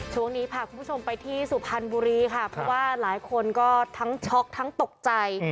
ช่วงนี้พาคุณผู้ชมไปที่สุพรรณบุรีค่ะเพราะว่าหลายคนก็ทั้งช็อกทั้งตกใจ